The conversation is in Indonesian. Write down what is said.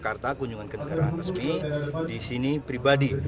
di jakarta kunjungan ke negara resmi di sini pribadi